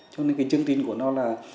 cho nên cái chương trình của nó là